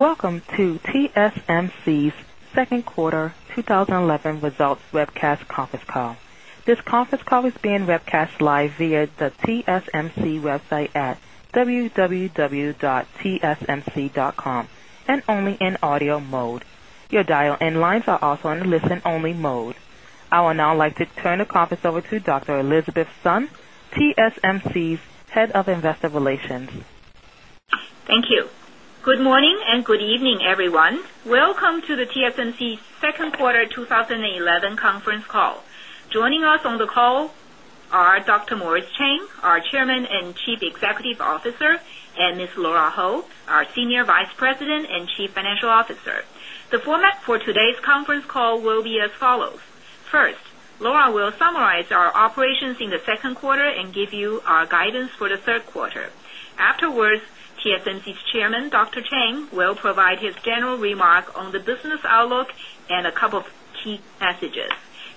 Welcome to TSMC's Second Quarter 2011 Results Webcast Conference Call. This conference call is being webcast live via the TSMC website at www.tsmc.com and only in audio mode. Your dial-in lines are also in listen-only mode. I would now like to turn the conference over to Dr. Elizabeth Sun, TSMC's Head of Investor Relations. Thank you. Good morning and good evening, everyone. Welcome to TSMC's Second Quarter 2011 Conference Call. Joining us on the call are Dr. Morris Chang, our Chairman and Chief Executive Officer, and Ms. Lora Ho, our Senior Vice President and Chief Financial Officer. The format for today's conference call will be as follows. First, Lora will summarize our operations in the second quarter and give you our guidance for the third quarter. Afterwards, TSMC's Chairman, Dr. Chang, will provide his general remark on the business outlook and a couple of key messages.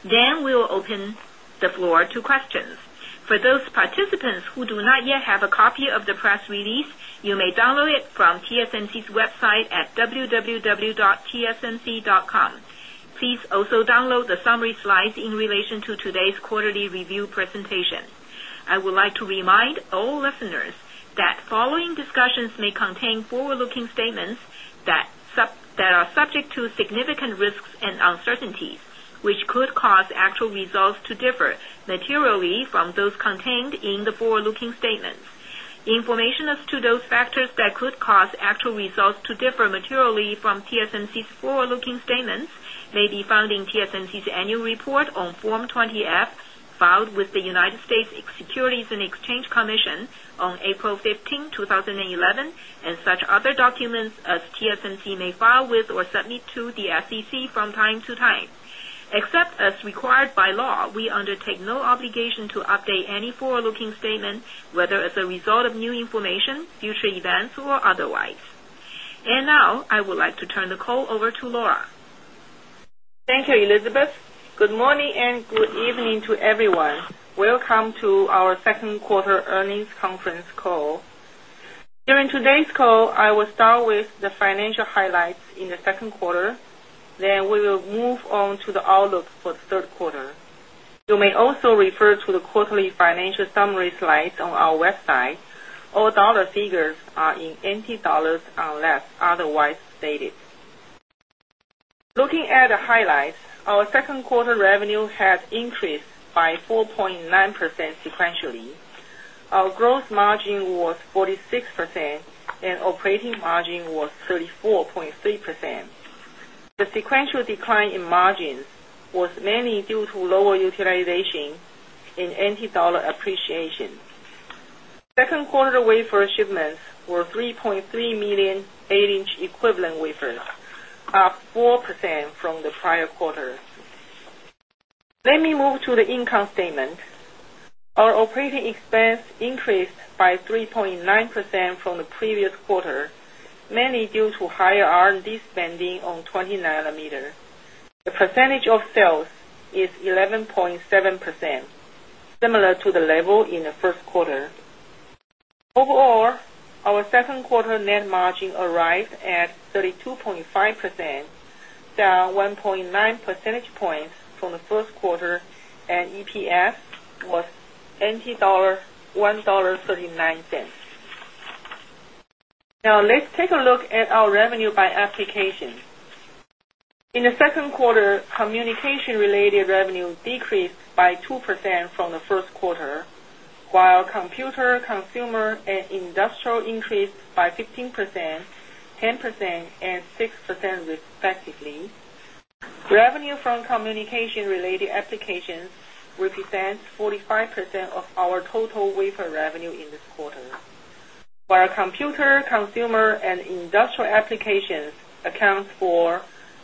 We will open the floor to questions. For those participants who do not yet have a copy of the press release, you may download it from TSMC's website at www.tsmc.com. Please also download the summary slides in relation to today's quarterly review presentation. I would like to remind all listeners that following discussions may contain forward-looking statements that are subject to significant risks and uncertainties, which could cause actual results to differ materially from those contained in the forward-looking statements. Information as to those factors that could cause actual results to differ materially from TSMC's forward-looking statements may be found in TSMC's annual report on Form 20-F filed with the United States Securities and Exchange Commission on April 15, 2011, and such other documents as TSMC may file with or submit to the SEC from time to time. Except as required by law, we undertake no obligation to update any forward-looking statement, whether as a result of new information, future events, or otherwise. I would like to turn the call over to Lora. Thank you, Elizabeth. Good morning and good evening to everyone. Welcome to our Second Quarter Earnings Conference Call. During today's call, I will start with the financial highlights in the second quarter. Then we will move on to the outlook for the third quarter. You may also refer to the quarterly financial summary slides on our website. All dollar figures are in NT dollars unless otherwise stated. Looking at the highlights, our second quarter revenue has increased by 4.9% sequentially. Our gross margin was 46%, and operating margin was 34.3%. The sequential decline in margin was mainly due to lower utilization and NT dollar appreciation. Second quarter wafer shipments were 3.3 million 8 in equivalent wafers, up 4% from the prior quarter. Let me move to the income statement. Our operating expense increased by 3.9% from the previous quarter, mainly due to higher R&D spending on 20 nm. The percentage of sales is 11.7%, similar to the level in the first quarter. Overall, our second quarter net margin arrived at 32.5%, down 1.9 percentage points from the first quarter, and EPS was 1.39 dollar. Now, let's take a look at our revenue by application. In the second quarter, communication-related revenue decreased by 2% from the first quarter, while computer, consumer, and industrial increased by 15%, 10%, and 6% respectively. Revenue from communication-related applications represents 45% of our total wafer revenue in this quarter, while computer, consumer, and industrial applications account for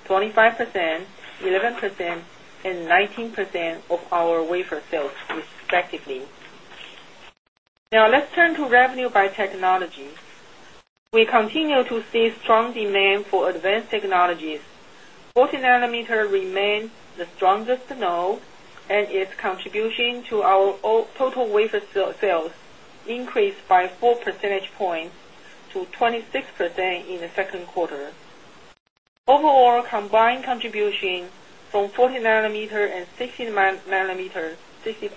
25%, 11%, and 19% of our wafer sales respectively. Now, let's turn to revenue by technology. We continue to see strong demand for advanced technologies. 40 nm remained the strongest node, and its contribution to our total wafer sales increased by 4 percentage points to 26% in the second quarter. Overall, combined contribution from 40 nm and 65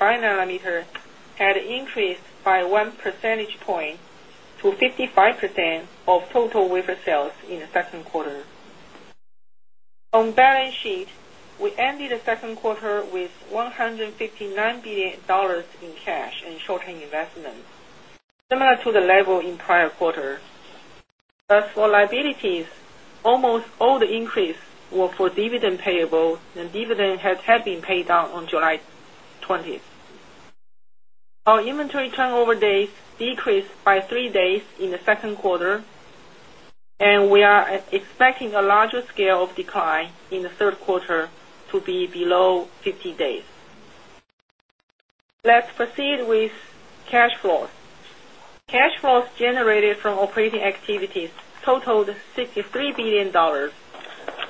nm had increased by 1 percentage point to 55% of total wafer sales in the second quarter. On the balance sheet, we ended the second quarter with 159 billion dollars in cash and short-term investment, similar to the level in the prior quarter. As for liabilities, almost all the increase was for dividend payable, and dividends had been paid out on July 20th. Our inventory turnover days decreased by three days in the second quarter, and we are expecting a larger scale of decline in the third quarter to be below 50 days. Let's proceed with cash flow. Cash flows generated from operating activities totaled 63 billion dollars,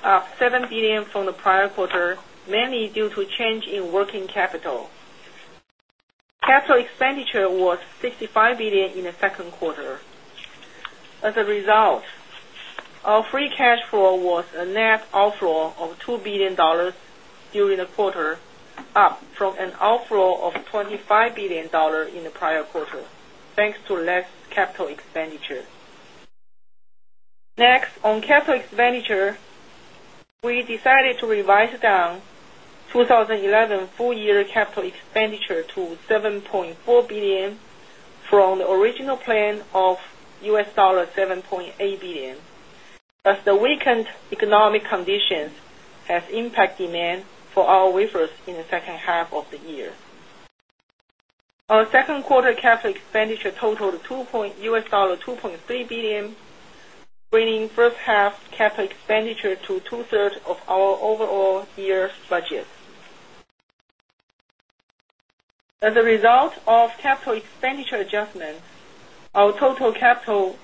up 7 billion from the prior quarter, mainly due to change in working capital. Capital expenditure was 65 billion in the second quarter. As a result, our free cash flow was a net outflow of 2 billion dollars during the quarter, up from an outflow of 25 billion dollars in the prior quarter, thanks to less capital expenditure. Next, on capital expenditure, we decided to revise down 2011 full-year capital expenditure to 7.4 billion from the original plan of TWD 7.8 billion, as the weakened economic conditions have impacted demand for our wafers in the second half of the year. Our second quarter capital expenditure totaled TWD 2.3 billion, bringing first half's capital expenditure to two-thirds of our overall year's budget. As a result of capital expenditure adjustment, our total capacity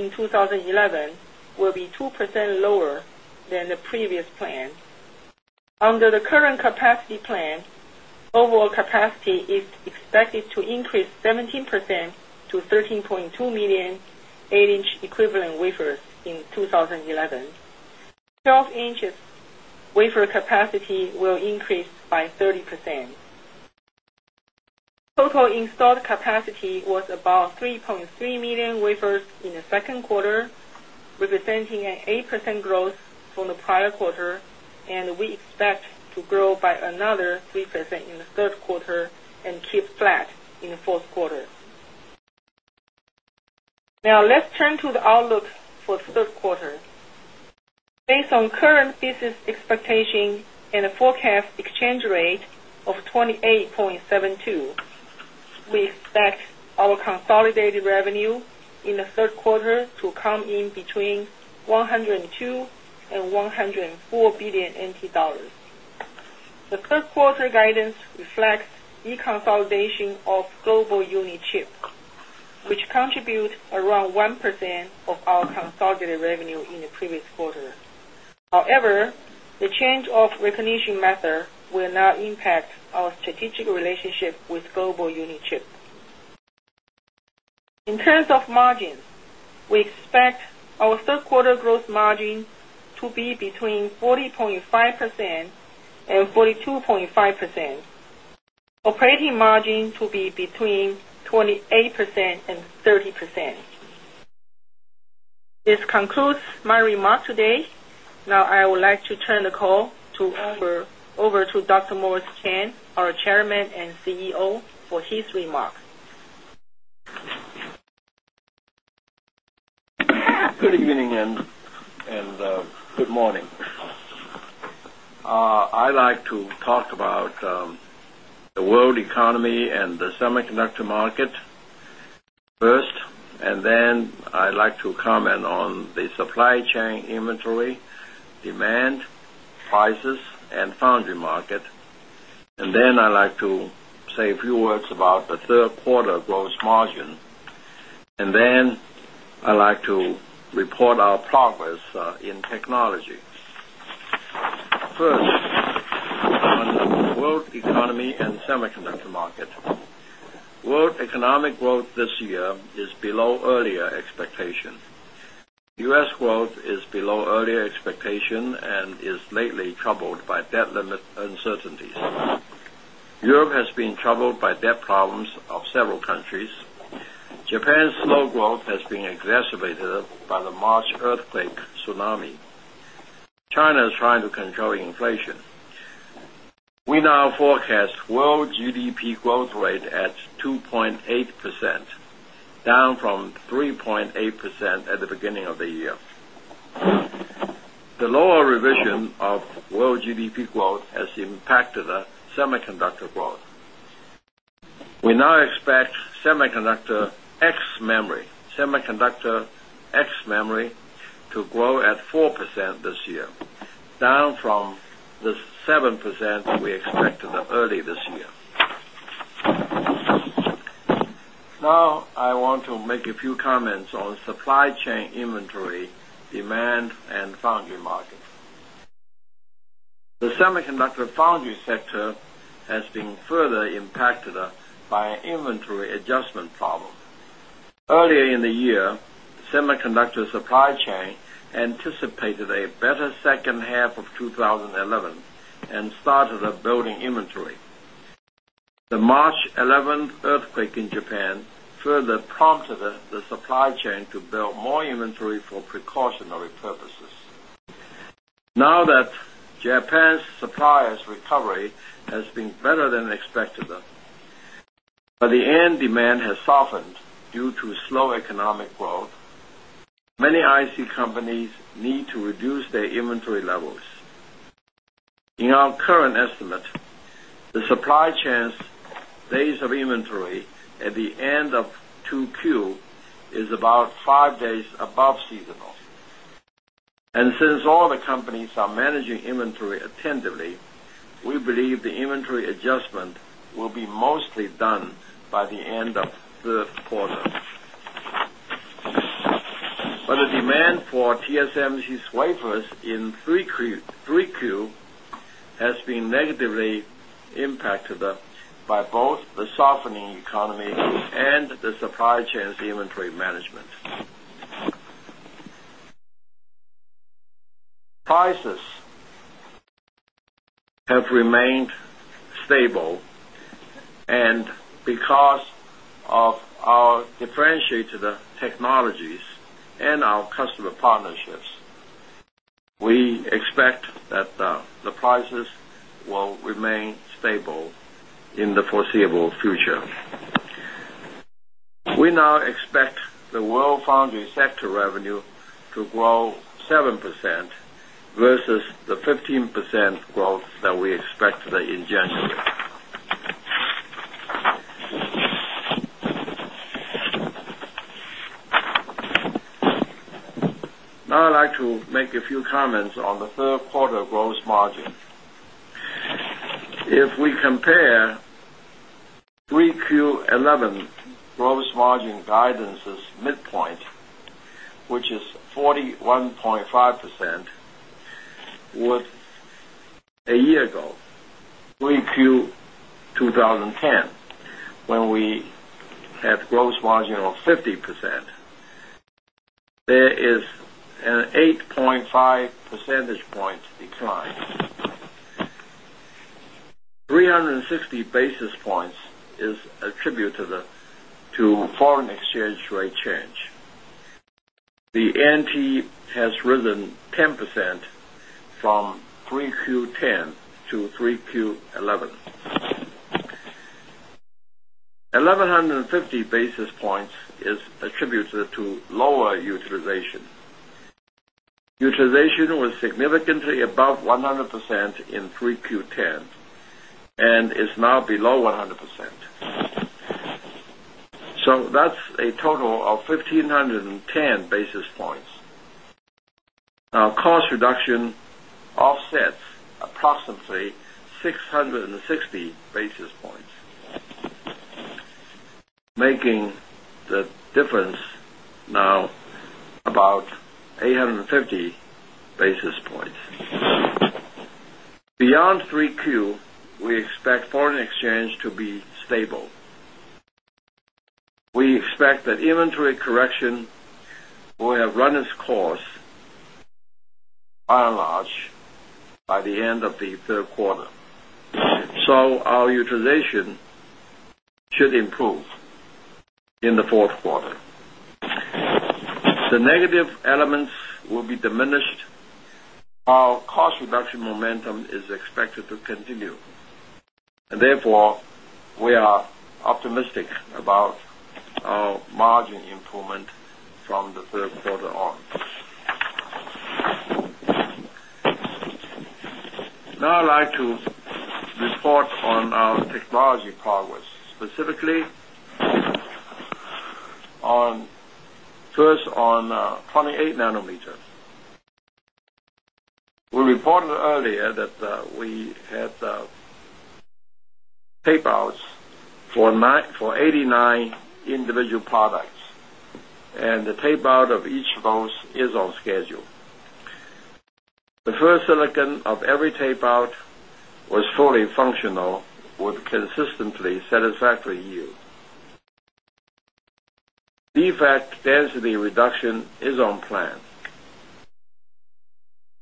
in 2011 will be 2% lower than the previous plan. Under the current capacity plan, overall capacity is expected to increase 17% to 13.2 million 8 in equivalent wafers in 2011. 12 in wafer capacity will increase by 30%. Total installed capacity was about 3.3 million wafers in the second quarter, representing an 8% growth from the prior quarter, and we expect to grow by another 3% in the third quarter and keep flat in the fourth quarter. Now, let's turn to the outlook for the third quarter. Based on current business expectation and a forecast exchange rate of 28.72, we expect our consolidated revenue in the third quarter to come in between 102 billion and 104 billion NT dollars. The third quarter guidance reflects deconsolidation of Global Unit Chip, which contribute around 1% of our consolidated revenue in the previous quarter. However, the change of recognition method will not impact our strategic relationship with Global Unit Chip. In terms of margins, we expect our third quarter gross margin to be between 40.5% and 42.5%, operating margin to be between 28% and 30%. This concludes my remarks today. Now, I would like to turn the call over to Dr. Morris Chang, our Chairman and CEO, for his remarks. Good evening and good morning. I'd like to talk about the world economy and the semiconductor market first, and then I'd like to comment on the supply chain inventory, demand, prices, and foundry market. I'd like to say a few words about the third quarter gross margin. I'd like to report our progress in technology. First, on the world economy and semiconductor market, world economic growth this year is below earlier expectations. U.S. growth is below earlier expectations and is lately troubled by debt limit uncertainties. Europe has been troubled by debt problems of several countries. Japan's slow growth has been exacerbated by the March earthquake tsunami. China is trying to control inflation. We now forecast world GDP growth rate at 2.8%, down from 3.8% at the beginning of the year. The lower revision of world GDP growth has impacted the semiconductor growth. We now expect semiconductor X memory to grow at 4% this year, down from the 7% we expected earlier this year. I want to make a few comments on supply chain inventory, demand, and foundry market. The semiconductor foundry sector has been further impacted by an inventory adjustment problem. Earlier in the year, semiconductor supply chain anticipated a better second half of 2011 and started building inventory. The March 11 earthquake in Japan further prompted the supply chain to build more inventory for precautionary purposes. Now that Japan's supplier's recovery has been better than expected, but the end demand has softened due to slow economic growth, many IC companies need to reduce their inventory levels. In our current estimate, the supply chain's days of inventory at the end of 2Q is about five days above feasible. Since all the companies are managing inventory attentively, we believe the inventory adjustment will be mostly done by the end of the third quarter. The demand for TSMC's wafers in 3Q has been negatively impacted by both the softening economy and the supply chain's inventory management. Prices have remained stable, and because of our differentiated technologies and our customer partnerships, we expect that the prices will remain stable in the foreseeable future. We now expect the world foundry sector revenue to grow 7% versus the 15% growth that we expected in January. I'd like to make a few comments on the third quarter gross margin. If we compare 3Q 2011 gross margin guidance's midpoint, which is 41.5%, with a year ago, 3Q 2010, when we had a gross margin of 50%, there is an 8.5 percentage point decline. 360 basis points is attributed to foreign exchange rate change. The NT has risen 10% from 3Q 2010 to 3Q 2011. 1,150 basis points is attributed to lower utilization. Utilization was significantly above 100% in 3Q 2010 and is now below 100%. That's a total of 1,510 basis points. Cost reduction offsets approximately 660 basis points, making the difference now about 850 basis points. Beyond 3Q, we expect foreign exchange to be stable. We expect that inventory correction will have run its course, by and large, by the end of the third quarter. Our utilization should improve in the fourth quarter. The negative elements will be diminished. Our cost reduction momentum is expected to continue. Therefore, we are optimistic about our margin improvement from the third quarter on. Now, I'd like to report on our technology progress, specifically first on 28 nm. We reported earlier that we had tapeouts for 89 individual products, and the tapeout of each of those is on schedule. The first silicon of every tapeout was fully functional with consistently satisfactory yield. Defect density reduction is on plan.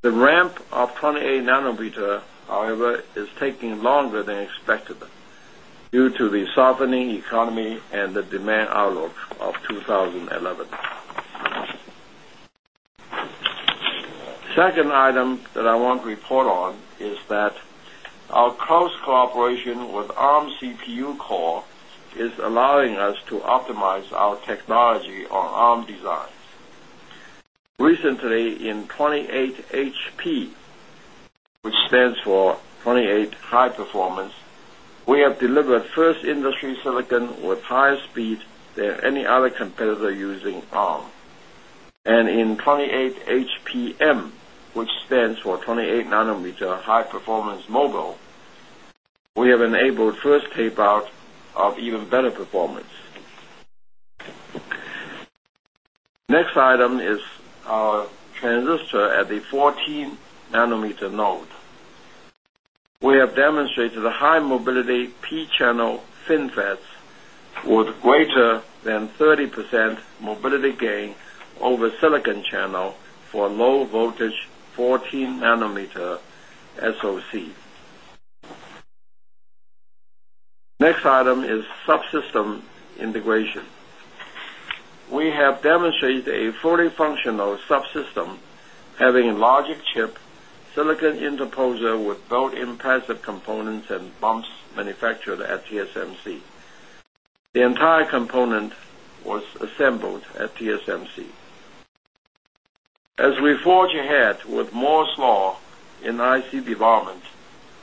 The ramp of 28 nm, however, is taking longer than expected due to the softening economy and the demand outlook of 2011. Second item that I want to report on is that our close cooperation with ARM CPU core is allowing us to optimize our technology on ARM designs. Recently, in 28 HP, which stands for 28 High Performance, we have delivered first industry silicon with higher speed than any other competitor using ARM. In 28 HPM, which stands for 28 nm High Performance Mobile, we have enabled first tapeout of even better performance. Next item is our transistor at the 14 nm node. We have demonstrated a high mobility P-channel FinFET with greater than 30% mobility gain over silicon channel for low voltage 14 nm SoC. Next item is subsystem integration. We have demonstrated a fully functional subsystem, having a logic chip, silicon interposer with built-in passive components, and bumps manufactured at TSMC. The entire component was assembled at TSMC. As we forge ahead with more slow in IC development,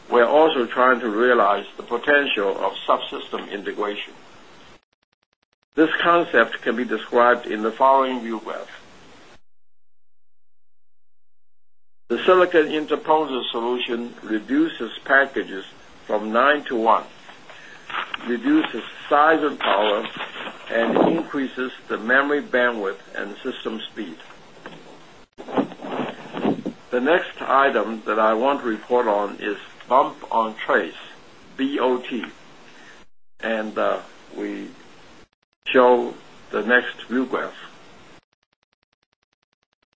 we're also trying to realize the potential of subsystem integration. This concept can be described in the following rubric. The silicon interposer solution reduces packages from nine to one, reduces size of power, and increases the memory bandwidth and system speed. The next item that I want to report on is Bump on Trace, BOT. We show the next rubric.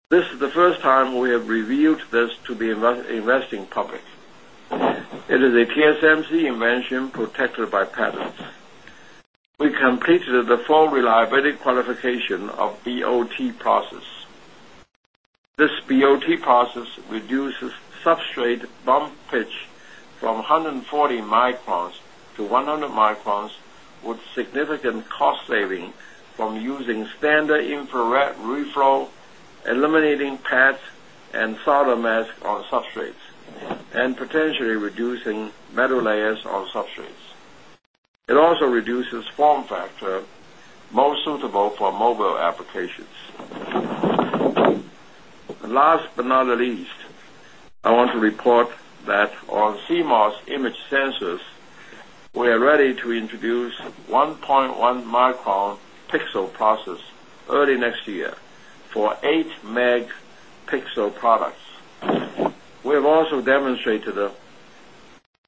This is the first time we have revealed this to the investing public. It is a TSMC invention protected by patents. We completed the full reliability qualification of BOT process. This BOT process reduces substrate bump pitch from 140 microns to 100 microns with significant cost saving from using standard infrared reflow, eliminating pads and solder masks on substrates, and potentially reducing metal layers on substrates. It also reduces form factor, most suitable for mobile applications. Last but not the least, I want to report that on CMOS image sensors, we are ready to introduce 1.1 micron pixel process early next year for 8 megapixel products. We have also demonstrated a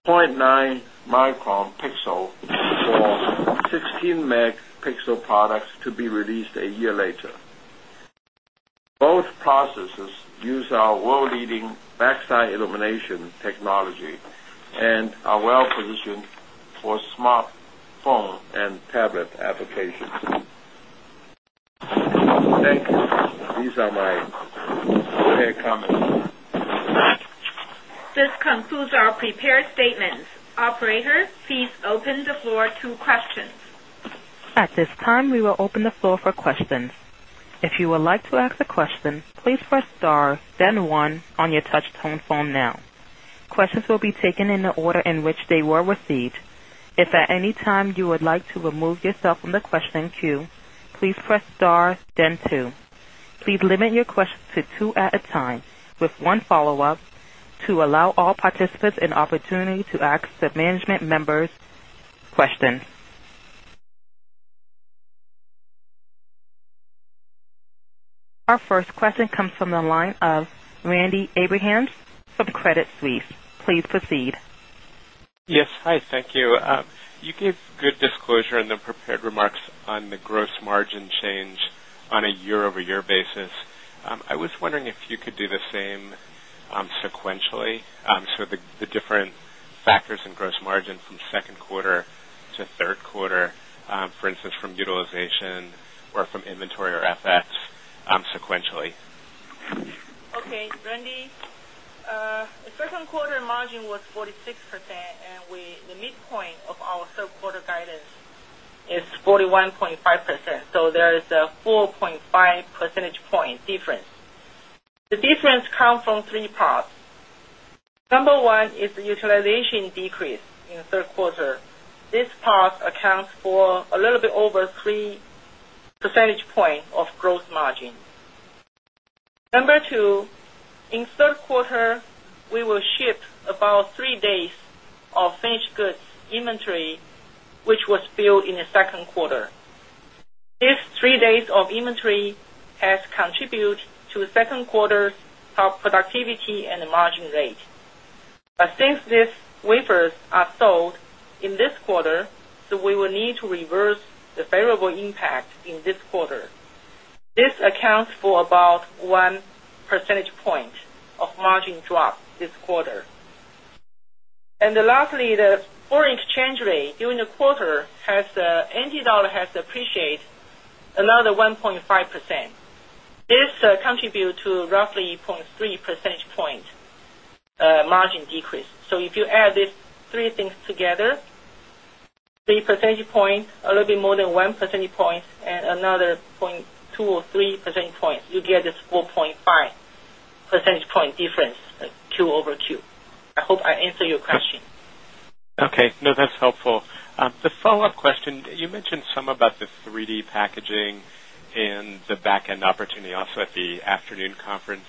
0.9 micron pixel for 16 megapixel products to be released a year later. Both processes use our world-leading backside illumination technology and are well positioned for smartphone and tablet applications. Thank you. These are my pair comments. This concludes our prepared statements. Operator, please open the floor to questions. At this time, we will open the floor for questions. If you would like to ask a question, please press star, then one on your touch-tone phone now. Questions will be taken in the order in which they were received. If at any time you would like to remove yourself from the question queue, please press star, then two. Please limit your questions to two at a time, with one follow-up to allow all participants an opportunity to ask the management members questions. Our first question comes from the line of Randy Abrams from Credit Suisse. Please proceed. Yes. Hi. Thank you. You gave good disclosure in the prepared remarks on the gross margin change on a year-over-year basis. I was wondering if you could do the same sequentially, so the different factors in gross margins from second quarter to third quarter, for instance, from utilization or from inventory FX sequentially. Okay. Randy, the second quarter margin was 46%, and the midpoint of our third quarter guidance is 41.5%. There is a 4.5 percentage point difference. The difference comes from three parts. Number one is the utilization decrease in the third quarter. This part accounts for a little bit over 3 percentage points of gross margin. Number two, in the third quarter, we will ship about three days of finished goods inventory, which was filled in the second quarter. These three days of inventory have contributed to the second quarter's productivity and the margin rate. Since these wafers are sold in this quarter, we will need to reverse the variable impact in this quarter. This accounts for about 1 percentage point of margin drop this quarter. Lastly, the foreign exchange rate during the quarter has the NT dollar has appreciated another 1.5%. This contributes to roughly 0.3 percentage point margin decrease. If you add these three things together, 3 percentage points, a little bit more than 1 percentage point, and another 0.2 or 0.3 percentage points, you get this 4.5 percentage point difference Q-over-Q. I hope I answered your question. Okay. No, that's helpful. The follow-up question, you mentioned some about the 3D packaging and the backend opportunity also at the afternoon conference.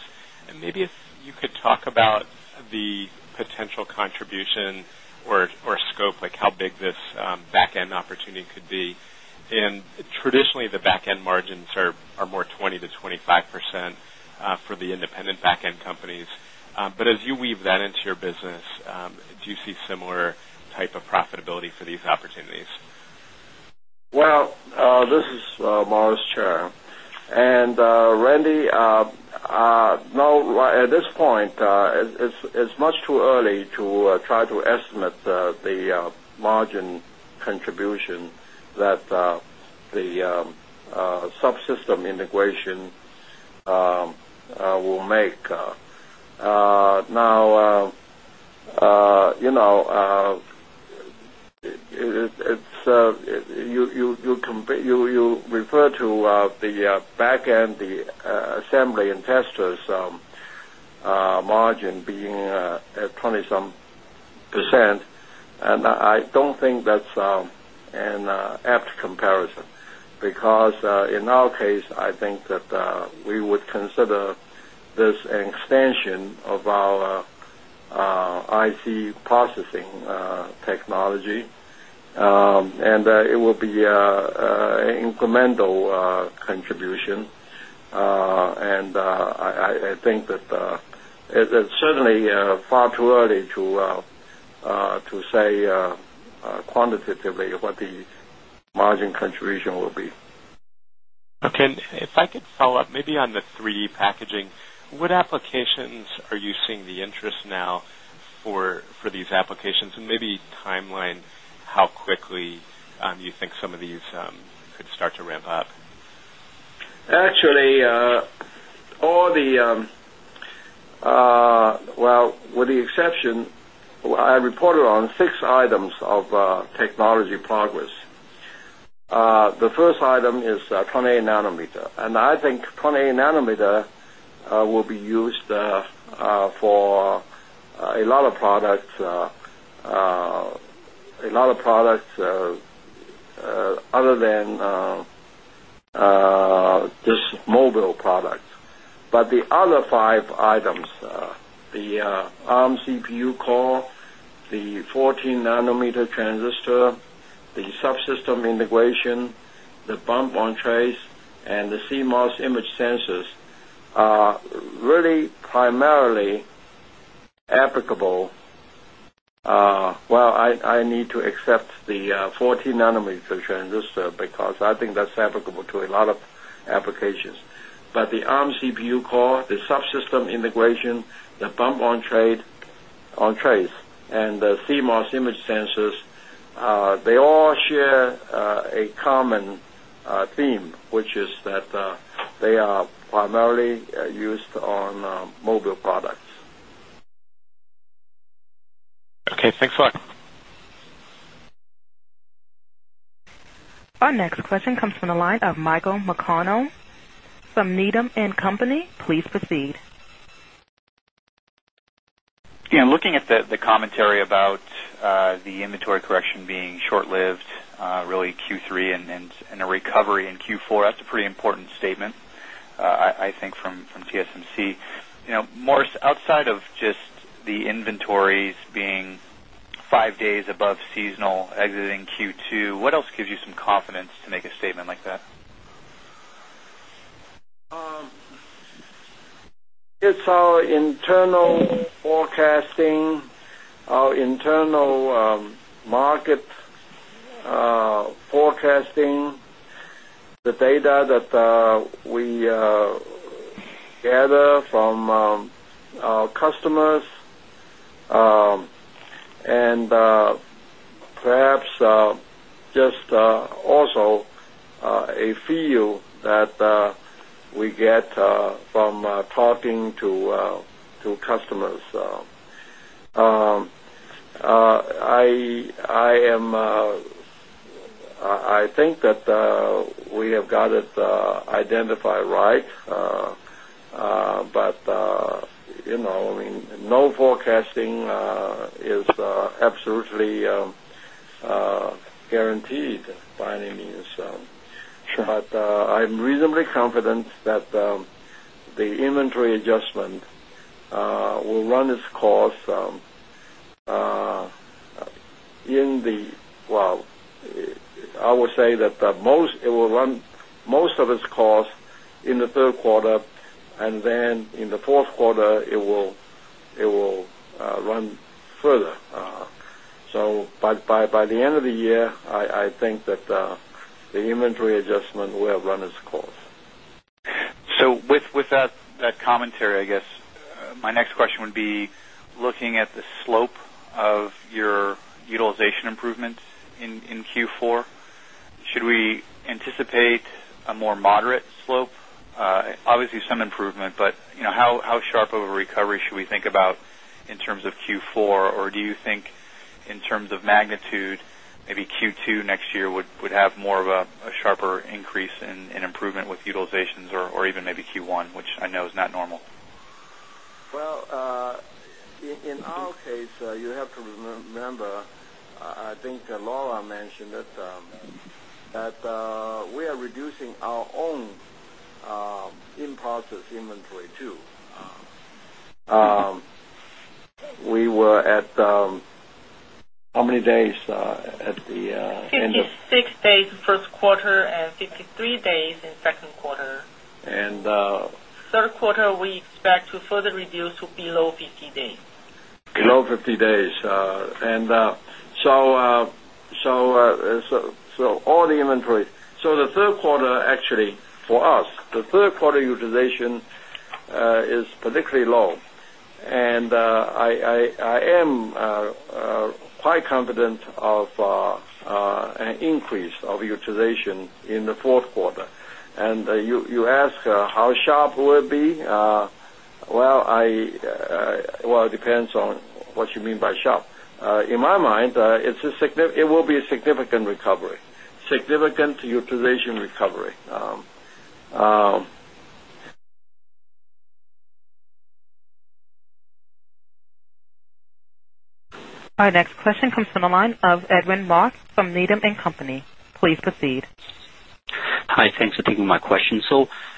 Maybe if you could talk about the potential contribution or scope, like how big this backend opportunity could be. Traditionally, the backend margins are more 20%-25% for the independent backend companies. As you weave that into your business, do you see similar type of profitability for these opportunities? This is Morris Chang. Randy, at this point, it's much too early to try to estimate the margin contribution that the subsystem integration will make. You refer to the backend, the assembly and testers' margin being 20%. I don't think that's an apt comparison because, in our case, I think that we would consider this an extension of our IC processing technology. It will be an incremental contribution. I think that it's certainly far too early to say quantitatively what the margin contribution will be. Okay. If I could follow up, maybe on the 3D packaging, what applications are you seeing the interest now for these applications? Maybe timeline, how quickly you think some of these could start to ramp up? Actually, with the exception, I reported on six items of technology progress. The first item is 28 nm. I think 28 nm will be used for a lot of products, a lot of products other than just mobile products. The other five items, the ARM CPU core, the 14 nm transistor, the subsystem integration, the Bump on Trace, and the CMOS image sensors, are really primarily applicable. I need to except the 14 nm transistor because I think that's applicable to a lot of applications. The ARM CPU core, the subsystem integration, the Bump on Trace, and the CMOS image sensors all share a common theme, which is that they are primarily used on mobile products. Okay, thanks a lot. Our next question comes from the line of Michael McConnell from [Needham & Company. Please proceed. Yeah. Looking at the commentary about the inventory correction being short-lived, really Q3 and a recovery in Q4, that's a pretty important statement, I think, from TSMC. Morris, outside of just the inventories being five days above seasonal exiting Q2, what else gives you some confidence to make a statement like that? It's our internal forecasting, our internal market forecasting, the data that we gather from our customers, and perhaps just also a feel that we get from talking to customers. I think that we have got it identified right. No forecasting is absolutely guaranteed by any means. I'm reasonably confident that the inventory adjustment will run its course in the, I would say that most it will run most of its course in the third quarter. In the fourth quarter, it will run further. By the end of the year, I think that the inventory adjustment will run its course. With that commentary, I guess my next question would be, looking at the slope of your utilization improvements in Q4, should we anticipate a more moderate slope? Obviously, some improvement, but you know how sharp of a recovery should we think about in terms of Q4? Do you think in terms of magnitude, maybe Q2 next year would have more of a sharper increase in improvement with utilizations or even maybe Q1, which I know is not normal? In our case, you have to remember, I think that Lora mentioned that we are reducing our own imported inventory too. We were at how many days at the end of? 56 days in the first quarter and 53 days in the second quarter. In the third quarter, we expect to further reduce to below 50 days. Below 50 days. All the inventory, the third quarter, actually, for us, the third quarter utilization is particularly low. I am quite confident of an increase of utilization in the fourth quarter. You ask how sharp will it be? It depends on what you mean by sharp. In my mind, it will be a significant recovery, significant utilization recovery. Our next question comes from the line of Edwin Mok from Needham & Company. Please proceed. Hi, thanks for taking my question.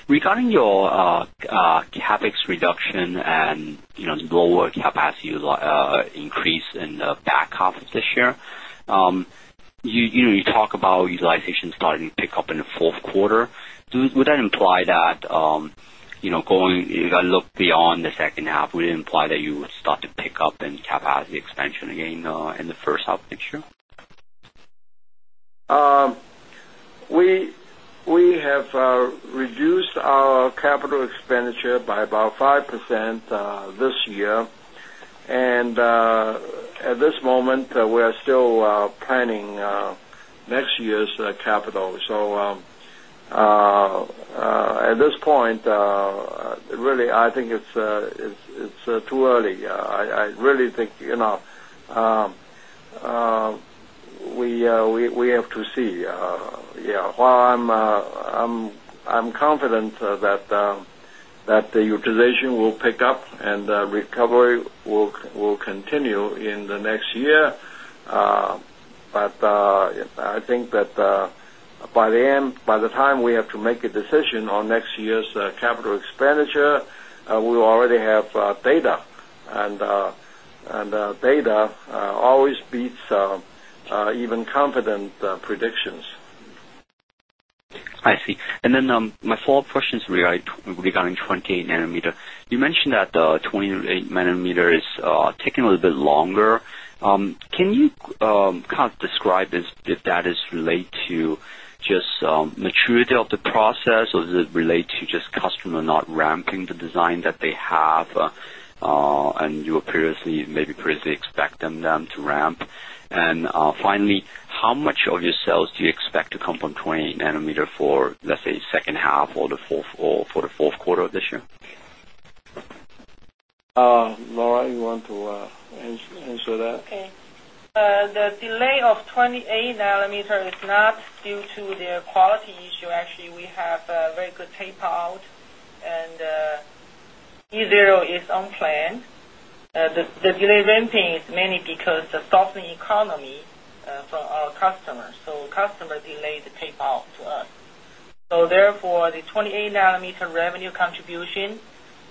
Regarding your graphics reduction and the lower capacity increase in the back half of this year, you talk about utilization starting to pick up in the fourth quarter. Would that imply that if I look beyond the second half, it would imply that you would start to pick up in capacity expansion again in the first half of next year? We have reduced our capital expenditure by about 5% this year. At this moment, we are still planning next year's capital. At this point, I think it's too early. I think you know we have to see. I'm confident that the utilization will pick up and recovery will continue in the next year. I think that by the time we have to make a decision on next year's capital expenditure, we already have data. Data always beats even confident predictions. I see. My follow-up question is regarding 28 nm. You mentioned that 28 nm is taking a little bit longer. Can you describe if that is related to just maturity of the process, or does it relate to just customer not ramping the design that they have and you maybe previously expect them to ramp? Finally, how much of your sales do you expect to come from 28 nm for, let's say, the second half or the fourth quarter of this year? Lora, you want to answer that? Okay. The delay of 28 nm is not due to the quality issue. Actually, we have a very good tapeout, and E0 is unplanned. The delay ramping is mainly because of the softening economy for our customers. Customers delay the tapeout to us. Therefore, the 28 nm revenue contribution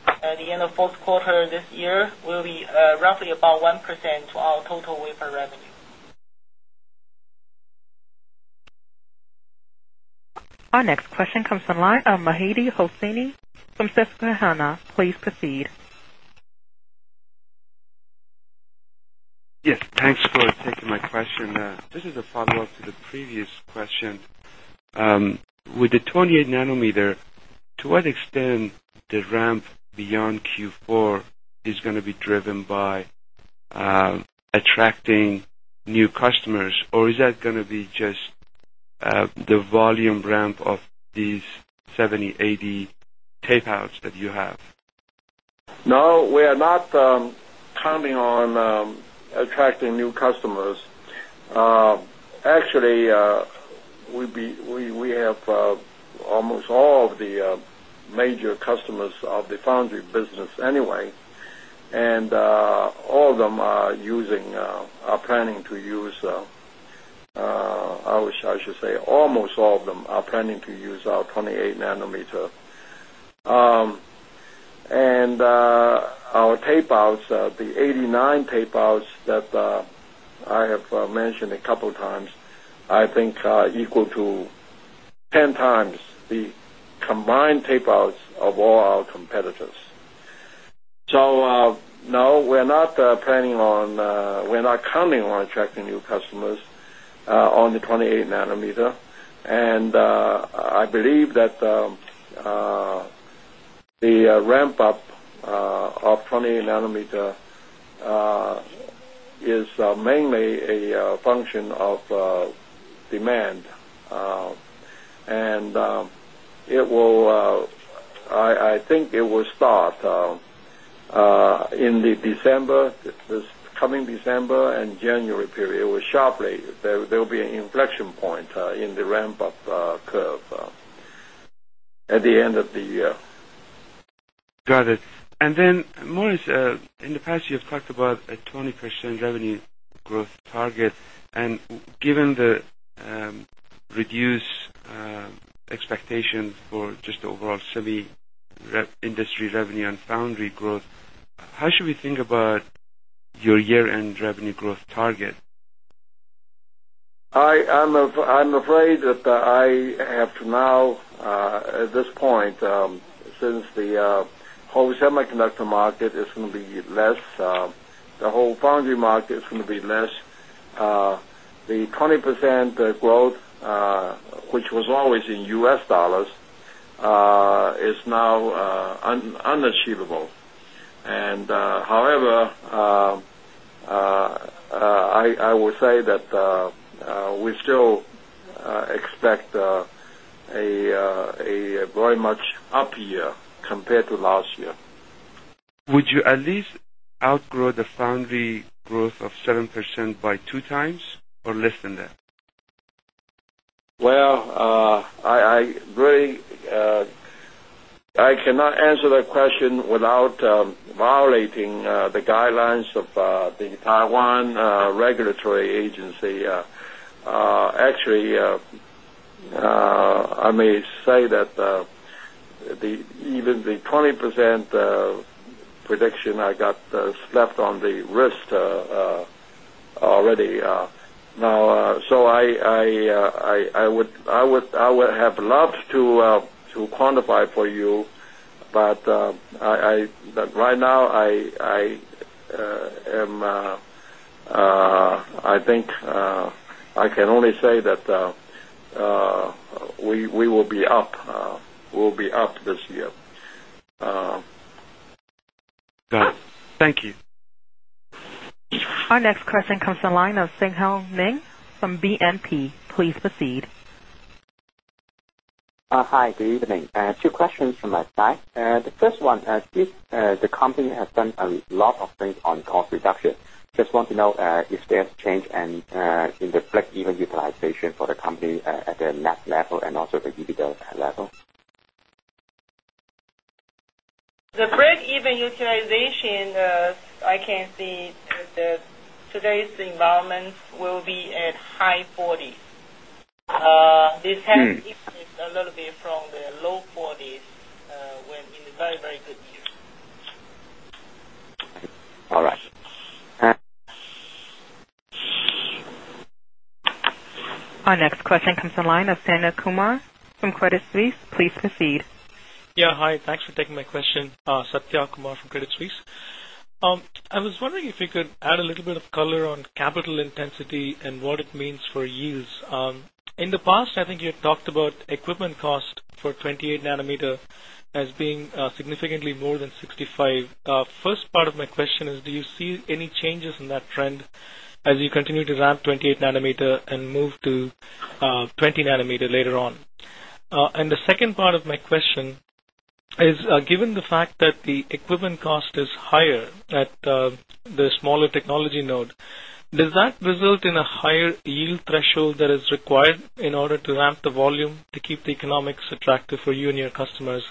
at the end of the fourth quarter of this year will be roughly about 1% to our total wafer revenue. Our next question comes from the line of Mehdi Hosseini from Susquehanna. Please proceed. Yes. Thanks for taking my question. This is a follow-up to the previous question. With the 28 nm ramp-up, to what extent the ramp beyond Q4 is going to be driven by attracting new customers? Is that going to be just the volume ramp of these 70, 80 tapeouts that you have? No, we are not counting on attracting new customers. Actually, we have almost all of the major customers of the foundry sector anyway. All of them are using or planning to use, I should say, almost all of them are planning to use our 28 nm. Our tapeouts, the 89 tapeouts that I have mentioned a couple of times, I think are equal to 10x the combined tapeouts of all our competitors. No, we're not counting on attracting new customers on the 28 nm. I believe that the ramp-up of 28 nm is mainly a function of demand. I think it will start in the coming December and January period. It will sharply. There will be an inflection point in the ramp-up curve at the end of the year. Got it. Morris, in the past, you have talked about a 20% revenue growth target. Given the reduced expectations for just the overall semi-industry revenue and foundry growth, how should we think about your year-end revenue growth target? I'm afraid that I have to now, at this point, since the whole semiconductor market is going to be less, the whole foundry market is going to be less, the 20% growth, which was always in U.S. dollars, is now unachievable. However, I would say that we still expect a very much up year compared to last year. Would you at least outgrow the foundry sector growth of 7% by 2x or less than that? I really cannot answer that question without violating the guidelines of the Taiwan Regulatory Agency. Actually, I may say that even the 20% prediction, I got slapped on the wrist already. I would have loved to quantify for you, but right now, I think I can only say that we will be up. We'll be up this year. Got it. Thank you. Our next question comes from the line of [Xing Haoming] from BNP. Please proceed. Hi. Good evening. Two questions from my side. The first one is the company has done a lot of things on cost reduction. Just want to know if there's change in the break-even utilization for the company at the net level and also the EBITDA level. The break-even utilization, I can see that today's environment will be at high 40s. This is a little bit from the low 40s. We have been very, very good. Our next question comes from the line of Satya Kumar from Credit Suisse. Please proceed. Yeah. Hi. Thanks for taking my question, Satya Kumar from Credit Suisse. I was wondering if you could add a little bit of color on capital intensity and what it means for yields. In the past, I think you had talked about equipment cost for 28 nm as being significantly more than 65 nm. First part of my question is, do you see any changes in that trend as you continue to ramp 28 nm and move to 20 nm later on? The second part of my question is, given the fact that the equipment cost is higher at the smaller technology node, does that result in a higher yield threshold that is required in order to ramp the volume to keep the economics attractive for you and your customers?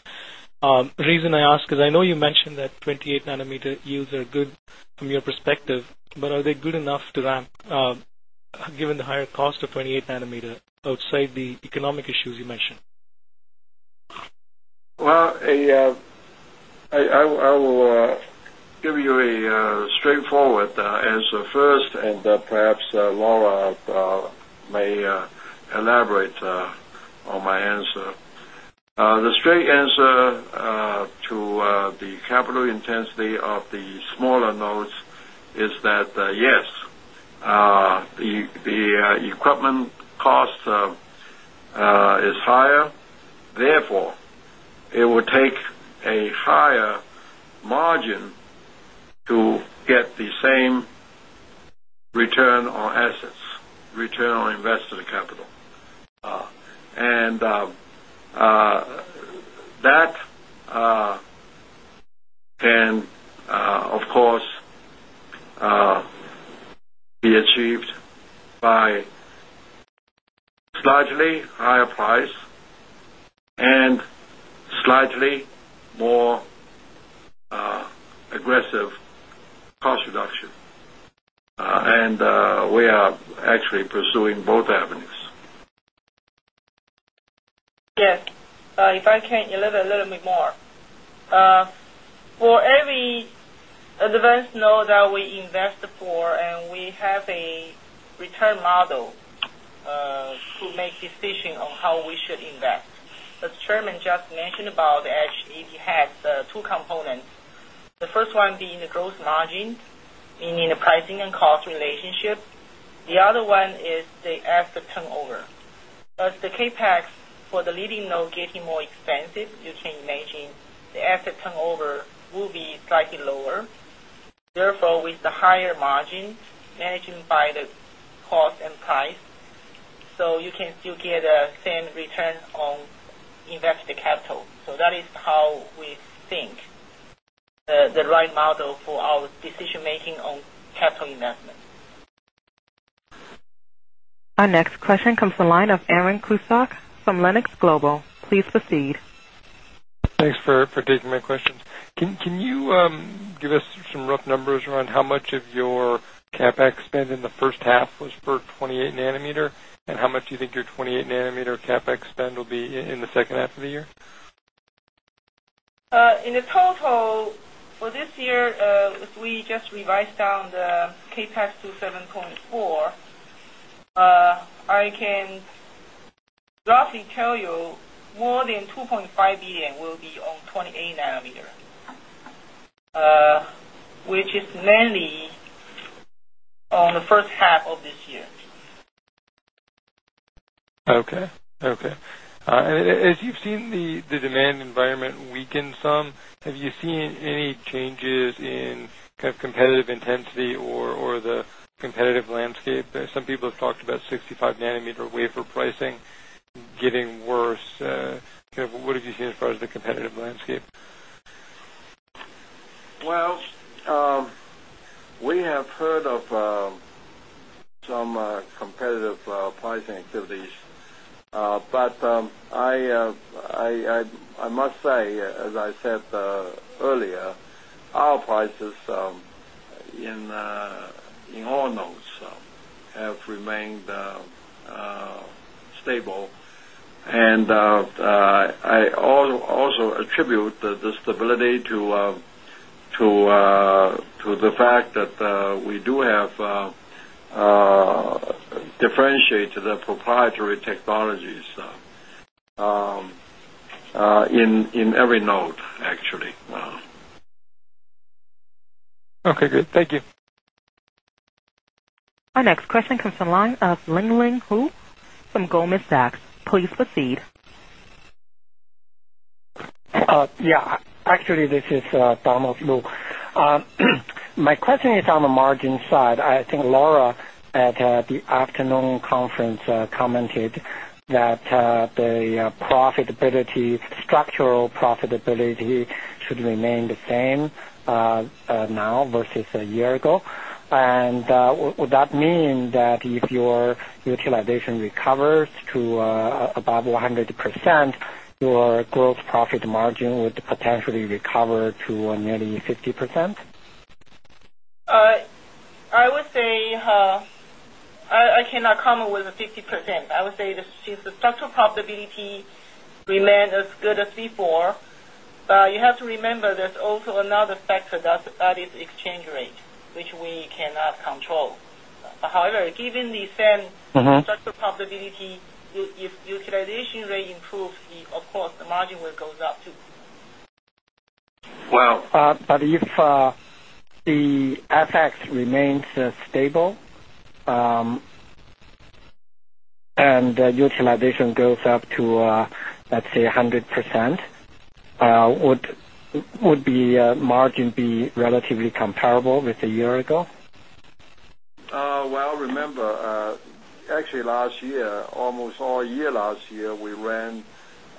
The reason I ask is I know you mentioned that 28 nm yields are good from your perspective, but are they good enough to ramp given the higher cost of 28 nm outside the economic issues you mentioned? I'll give you a straightforward answer first, and perhaps Lora may elaborate on my answer. The straight answer to the capital intensity of the smaller nodes is that, yes, the equipment cost is higher. Therefore, it will take a higher margin to get the same return on assets, return on invested capital. That can, of course, be achieved by slightly higher price and slightly more aggressive cost reduction. We are actually pursuing both avenues. Yes. If I can elaborate a little bit more. For every advanced node that we invest for, we have a return model to make a decision on how we should invest. As Chairman just mentioned, actually, it has two components. The first one being the gross margin in the pricing and cost relationship. The other one is the asset turnover. As the CapEx for the leading node gets more expensive, you can imagine the asset turnover will be slightly lower. Therefore, with the higher margin managed by the cost and price, you can still get the same return on invested capital. That is how we think the right model for our decision-making on capital investment. Our next question comes from the line of Aaron Husock from Lanexa Global. Please proceed. Thanks for taking my questions. Can you give us some rough numbers around how much of your CapEx spend in the first half was for 28 nm, and how much do you think your 28 nm CapEx spend will be in the second half of the year? In the total, for this year, if we just revised down the CapEx to TWD 7.4 billion, I can roughly tell you more than 2.5 billion will be on 28 nm, which is mainly on the first half of this year. Okay. As you've seen the demand environment weaken some, have you seen any changes in kind of competitive intensity or the competitive landscape? Some people have talked about 65 nm wafer pricing getting worse. What have you seen as far as the competitive landscape? We have heard of some competitive pricing activities. I must say, as I said earlier, our prices in all nodes have remained stable. I also attribute the stability to the fact that we do have differentiated proprietary technologies in every node, actually. Okay, good. Thank you. Our next question comes from the line of Lingling Hu from Goldman Sachs. Please proceed. Yeah. Actually, this is Donald Lu. My question is on the margin side. I think Lora at the afternoon conference commented that the profitability, structural profitability, should remain the same now versus a year ago. Would that mean that if your utilization recovers to above 100%, your gross profit margin would potentially recover to nearly 50%? I would say I cannot come up with a 50%. I would say if the structural profitability remained as good as before, you have to remember there's also another factor that is the exchange rate, which we cannot control. However, given the same structural profitability, if the utilization rate improves, of course, the margin will go up too. If the FX remains stable and the utilization goes up to, let's say, 100%, would the margin be relatively comparable with a year ago? Remember, actually, last year, almost all year last year, we ran,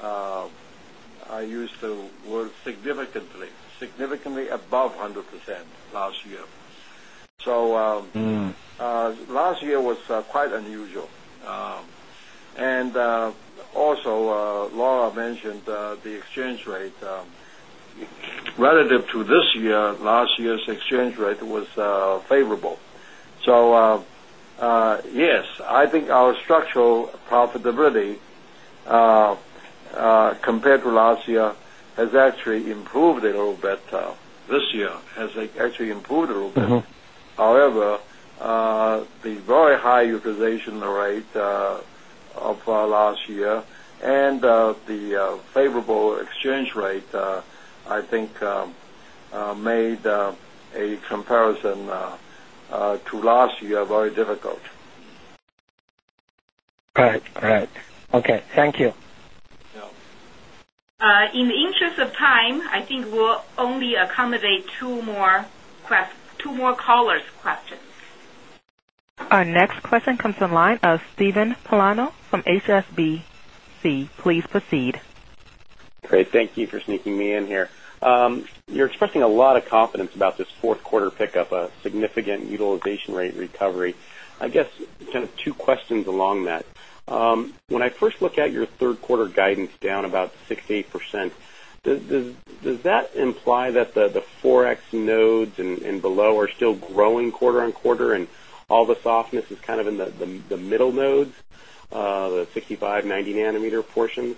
I used to work significantly, significantly above 100% last year. Last year was quite unusual. Also, Lora mentioned the exchange rate. Relative to this year, last year's exchange rate was favorable. Yes, I think our structural profitability compared to last year has actually improved a little bit. This year has actually improved a little bit. However, the very high utilization rate of last year and the favorable exchange rate, I think, made a comparison to last year very difficult. Right. Right. Okay, thank you. In the interest of time, I think we'll only accommodate two more callers' questions. Our next question comes on the line of Steven Pelayo from HSBC. Please proceed. Great. Thank you for sneaking me in here. You're expressing a lot of confidence about this fourth quarter pickup, a significant utilization rate recovery. I guess kind of two questions along that. When I first look at your third quarter guidance down about 68%, does that imply that the 4X nodes and below are still growing quarter on quarter and all the softness is kind of in the middle nodes, the 65 nm, 90 nm portions?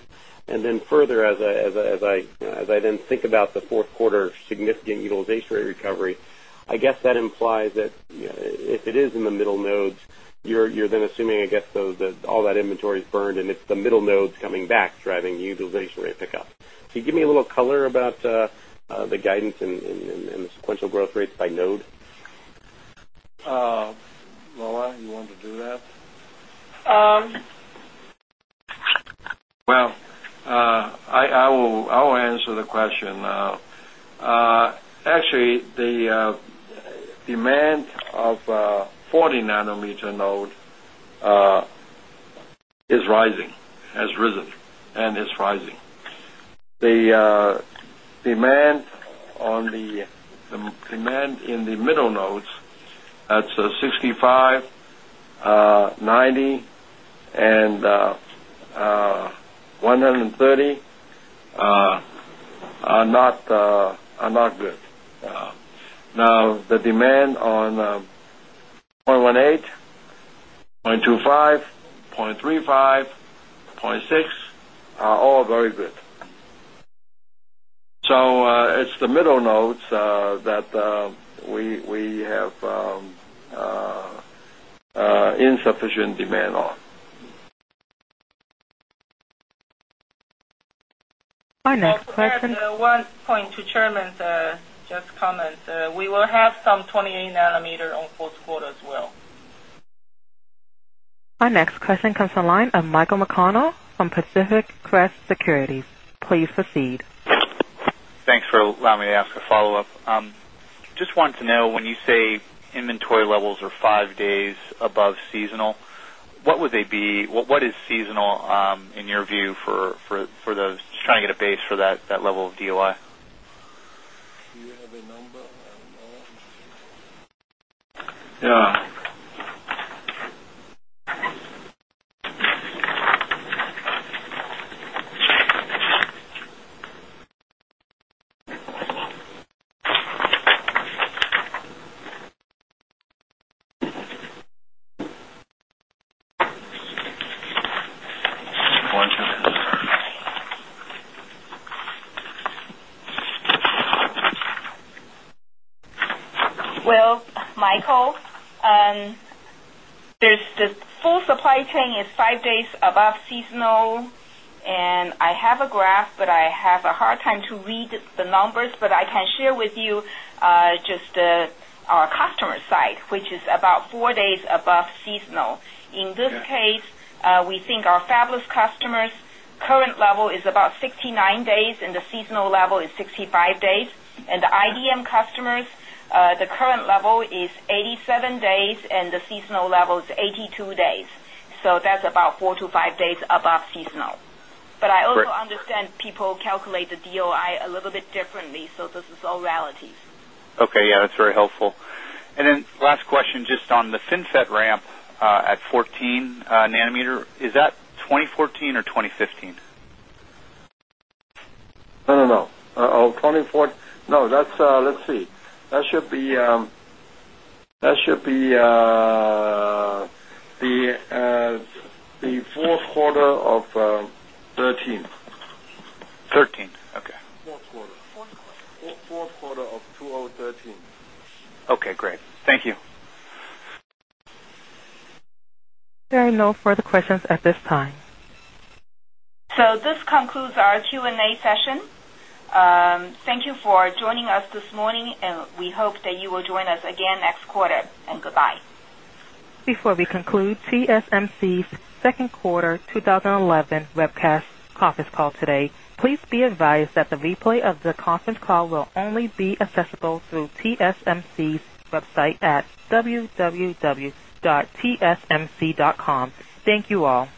Further, as I then think about the fourth quarter significant utilization rate recovery, I guess that implies that if it is in the middle nodes, you're then assuming, I guess, though, that all that inventory is burned and it's the middle nodes coming back driving the utilization rate pickup. Can you give me a little color about the guidance and the sequential growth rates by node? Lora, you want to do that? I'll answer the question. Actually, the demand of 40 nm nodes is rising, has risen, and is rising. The demand in the middle nodes at 65 nm, 90 nm, and 130 nm are not good. The demand on 0.18 nm, 0.25 nm, 0.35 nm, 0.6 nm are all very good. It's the middle nodes that we have insufficient demand on. My next question, one point to Chairman's comments. We will have some 28 nm on the fourth quarter as well. Our next question comes on the line of Michael McConnell from Pacific Crest Securities. Please proceed. Thanks for allowing me to ask a follow-up. I just wanted to know, when you say inventory levels are five days above seasonal, what would they be? What is seasonal in your view for those? Just trying to get a base for that level of DOI. Do you have a number? Michael, the full supply chain is five days above seasonal. I have a graph, but I have a hard time to read the numbers. I can share with you just our customer side, which is about four days above seasonal. In this case, we think our fabulous customers' current level is about 69 days, and the seasonal level is 65 days. The IDM customers, the current level is 87 days, and the seasonal level is 82 days. That's about four to five days above seasonal. I also understand people calculate the DOI a little bit differently, so this is all relative. Okay. Yeah, that's very helpful. Last question, just on the FinFET ramp at 14 nm, is that 2014 or 2015? No, no. That should be the fourth quarter of 2013. 2013. Okay. Fourth quarter. Fourth quarter of 2013. Okay. Great. Thank you. There are no further questions at this time. This concludes our Q&A session. Thank you for joining us this morning, and we hope that you will join us again next quarter. Goodbye. Before we conclude TSMC's Second Quarter 2011 Webcast Conference Call today, please be advised that the replay of the conference call will only be accessible through TSMC's website at www.tsmc.com. Thank you all.